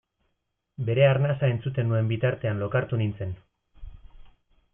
Bere arnasa entzuten nuen bitartean lokartu nintzen.